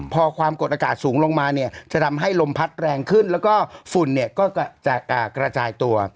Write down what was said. พอความกดอากาศสูงลงมาเนี่ยจะทำให้ลมพัดแรงขึ้นแล้วก็ฝุ่นเนี่ยก็จะกระจายตัว